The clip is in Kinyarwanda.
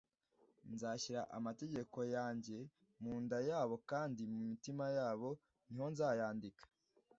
‘Nzashyira amategeko yanjye mu nda yabo kandi mu mitima yabo ni ho nzayandika